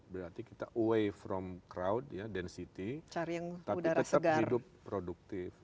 berarti kita away from crowd ya density tapi tetap hidup produktif